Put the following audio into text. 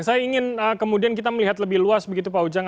saya ingin kemudian kita melihat lebih luas begitu pak ujang